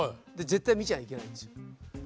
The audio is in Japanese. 絶対見ちゃいけないんですよ。